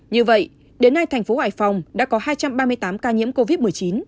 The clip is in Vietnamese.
như vậy đến nay thành phố hải phòng đã có hai trăm ba mươi tám ca nhiễm covid một mươi chín